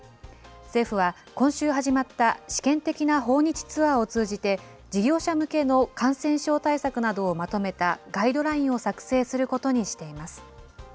政府は今週始まった試験的な訪日ツアーを通じて、事業者向けの感染症対策などをまとめたガイドラインを作成することにしています。